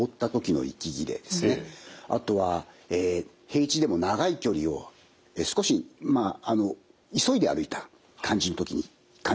あとは平地でも長い距離を少し急いで歩いた感じの時に感じるような息切れ。